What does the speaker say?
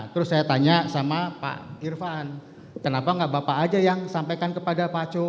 terus saya tanya sama pak irfan kenapa nggak bapak aja yang sampaikan kepada pak co